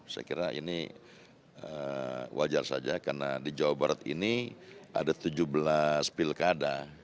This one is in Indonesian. saya kira ini wajar saja karena di jawa barat ini ada tujuh belas pilkada